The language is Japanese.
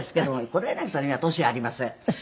黒柳さんには年ありません。